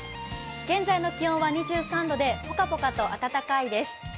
現在の気温は２３度でポカポカと暖かいです。